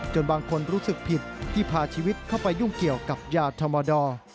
บางคนรู้สึกผิดที่พาชีวิตเข้าไปยุ่งเกี่ยวกับยาธรรมดอร์